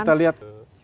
boleh kita lihat